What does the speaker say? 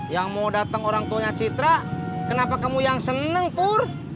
yang mau datang orang tuanya citra kenapa kamu yang seneng pur